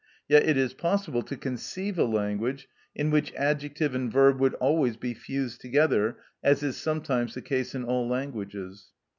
Yet it is possible to conceive a language in which adjective and verb would always be fused together, as is sometimes the case in all languages.